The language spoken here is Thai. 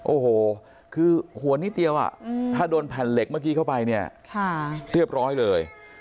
โอ้โหคือหัวนิดเดียวถ้าโดนแผ่นเหล็กเมื่อกี้เข้าไปเนี่ยเรียบร้อยเลย